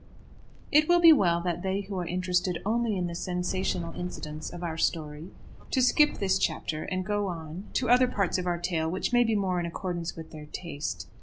It will be well that they who are interested only in the sensational incidents of our story to skip this chapter and go on to other parts of our tale which may be more in accordance with their taste.